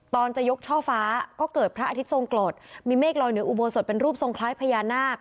จะยกช่อฟ้าก็เกิดพระอาทิตย์ทรงกรดมีเมฆลอยเหนืออุโบสถเป็นรูปทรงคล้ายพญานาค